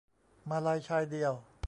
มาลัยชายเดียว